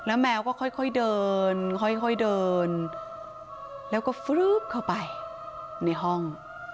แมวก็ค่อยเดินค่อยเดินแล้วก็ฟื๊บเข้าไปในห้อง